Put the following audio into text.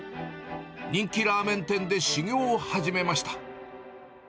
人気ラーメン店で修業を始めました。